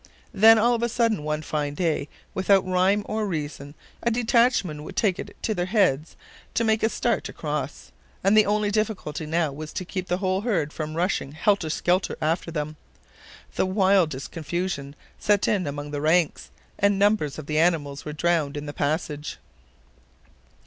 Then all of a sudden, one fine day, without rhyme or reason, a detachment would take it into their heads to make a start across, and the only difficulty now was to keep the whole herd from rushing helter skelter after them. The wildest confusion set in among the ranks, and numbers of the animals were drowned in the passage.